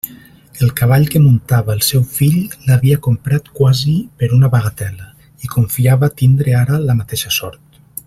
El cavall que muntava el seu fill l'havia comprat quasi per una bagatel·la, i confiava tindre ara la mateixa sort.